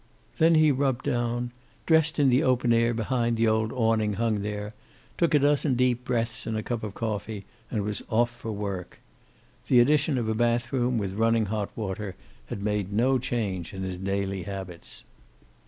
Then he rubbed down, dressed in the open air behind the old awning hung there, took a dozen deep breaths and a cup of coffee, and was off for work. The addition of a bathroom, with running hot water, had made no change in his daily habits.